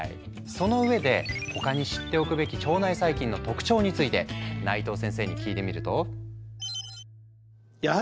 その上で他に知っておくべき腸内細菌の特徴について内藤先生に聞いてみると。